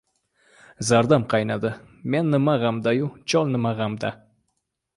Zardam qaynadi. Men nima g‘amda-yu, chol nima g‘amda!